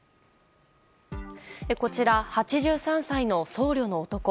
こちら、８３歳の僧侶の男。